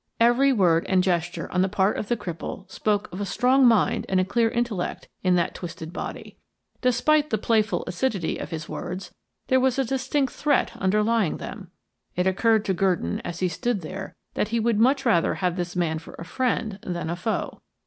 Every word and gesture on the part of the cripple spoke of a strong mind and a clear intellect in that twisted body. Despite the playful acidity of his words, there was a distinct threat underlying them. It occurred to Gurdon as he stood there that he would much rather have this man for a friend than a foe.